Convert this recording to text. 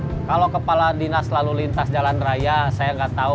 hai hai kalau kepala dinas lalu lintas jalan raya saya enggak tahu